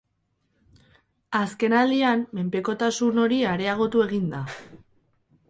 Azkenaldian menpekotasun hori areagotu egin da.